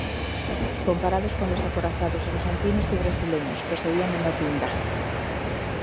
Comparados con los acorazados argentinos y brasileños, poseía menor blindaje.